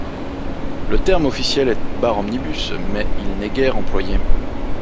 Le terme officiel est barre omnibus, mais il n'est guère employé.